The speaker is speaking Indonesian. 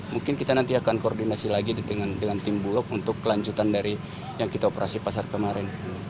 mungkin kita nanti akan koordinasi lagi dengan tim bulog untuk kelanjutan dari yang kita operasi pasar kemarin